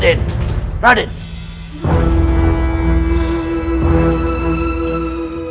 rai jenderal manik dari penjajahsil